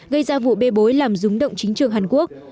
gây ra vụ bê bối làm rúng động chính trường hàn quốc